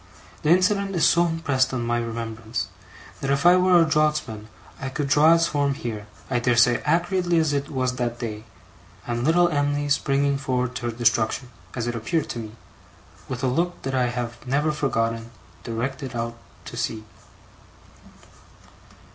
The incident is so impressed on my remembrance, that if I were a draughtsman I could draw its form here, I dare say, accurately as it was that day, and little Em'ly springing forward to her destruction (as it appeared to me), with a look that I have never forgotten, directed far out to sea.